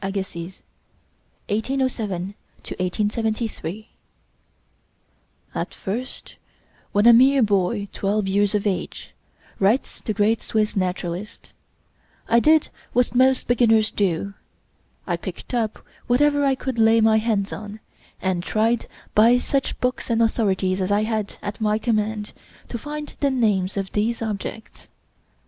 JEAN LOUIS RODOLPHE AGASSIZ (1807 1873) "At first, when a mere boy, twelve years of age," writes the great Swiss naturalist, "I did what most beginners do. I picked up whatever I could lay my hands on, and tried, by such books and authorities as I had at my command, to find the names of these objects.